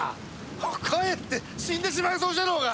かえって死んでしまいそうじゃろうが！